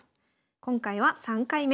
今回は３回目。